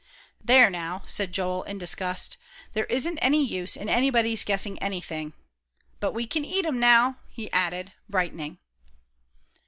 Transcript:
"There, now," said Joel, in disgust; "there isn't any use in anybody's guessing anything. But we can eat 'em now," he added, brightening.